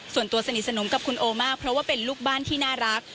ส่วนตัวสนิทสนมกับคุณโอมากเพราะว่าเป็นลูกบ้านที่น่ารัก